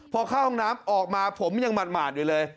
พอเข้าห้องน้ำออกมาผมยังหมาดอยู่เลย